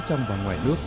trong và ngoài nước